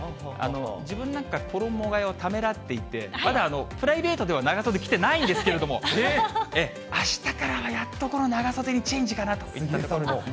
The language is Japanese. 自分なんか、衣がえをためらっていて、まだプライベートでは長袖着てないんですけれども、あしたからは、やっとこの長袖にチェンジかなといったところですね。